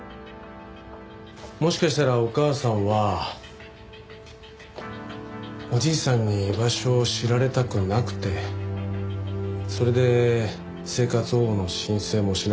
もしかしたらお母さんはおじいさんに居場所を知られたくなくてそれで生活保護の申請もしなかった。